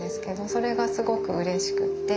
それがすごくうれしくって。